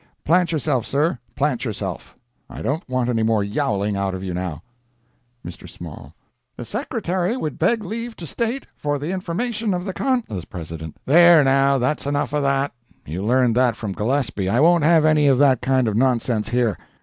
Plant yourself, sir—plant yourself. I don't want any more yowling out of you, now. Mr. Small—"The Secretary would beg leave to state, for the information of the Con—— " The President—"There, now, that's enough of that. You learned that from Gillespie, I won't have any of that kind of nonsense here.